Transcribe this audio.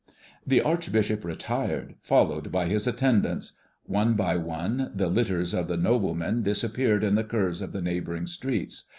The archbishop retired, followed by his attendants. One by one the litters of the noblemen disappeared in the curves of the neighboring streets.